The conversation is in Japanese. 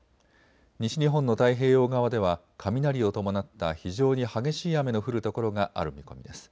西日本の太平洋側では雷を伴った非常に激しい雨の降る所がある見込みです。